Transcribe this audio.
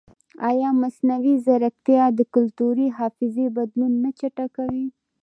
ایا مصنوعي ځیرکتیا د کلتوري حافظې بدلون نه چټکوي؟